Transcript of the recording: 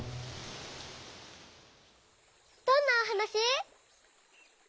どんなおはなし？